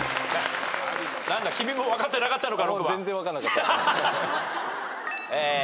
何だ君も分かってなかったのか。